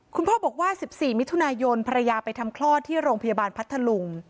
คุณพ่อบอกว่า๑๔มิถุนายนภรรยาไปทำคลอดที่โรงพยาบาลพัทธลุง